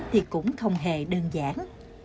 thì cũng không hề đơn giản